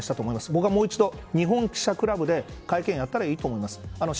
僕はもう一度日本記者クラブで会見をやったらいいと思います。